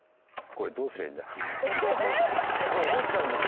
これ思っちゃうんですよ。